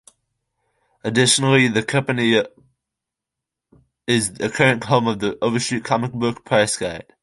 Additionally, the company is the current home of The Overstreet Comic Book Price Guide.